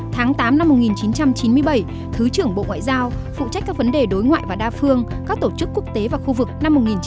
tháng tám năm một nghìn chín trăm chín mươi bảy thứ trưởng bộ ngoại giao phụ trách các vấn đề đối ngoại và đa phương các tổ chức quốc tế và khu vực